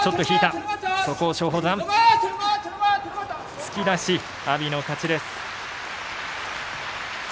突き出し、阿炎の勝ちです。